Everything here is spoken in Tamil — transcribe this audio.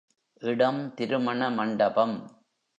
இடம் திருமண மண்டபம்.